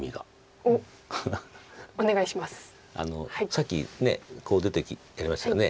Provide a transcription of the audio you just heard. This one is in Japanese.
さっきこう出てやりましたよね。